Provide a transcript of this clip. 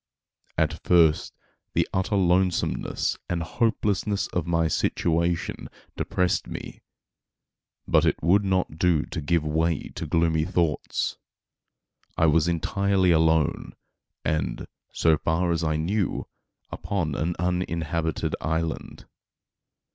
At first the utter lonesomeness and hopelessness of my situation depressed me; but it would not do to give way to gloomy thoughts. I was entirely alone, and, so far as I knew, upon an uninhabited island.